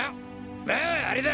まああれだ。